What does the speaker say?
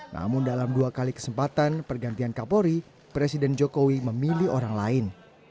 namun dalam dua kali kesempatan pergantian kapolri presiden jokowi memilih orang lain